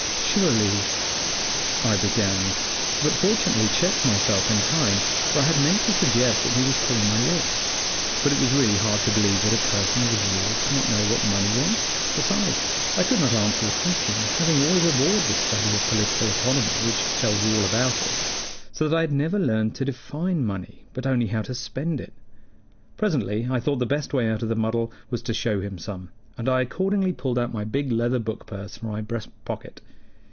"Surely " I began, but fortunately checked myself in time, for I had meant to suggest that he was pulling my leg. But it was really hard to believe that a person of his years did not know what money was. Besides, I could not answer the question, having always abhorred the study of political economy, which tells you all about it; so that I had never learned to define money, but only how to spend it. Presently I thought the best way out of the muddle was to show him some, and I accordingly pulled out my big leather book purse from my breast pocket.